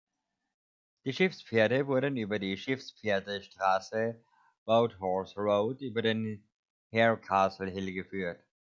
Die Schiffspferde wurden über die ‚Schiffspferdestraße‘ (‚Boathorse Road‘) über den Harecastle Hill geführt.